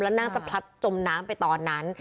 แล้วน่าจะพลัดจมน้ำไปตอนนั้น